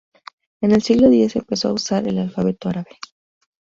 En el siglo X empezó a usarse el alfabeto árabe.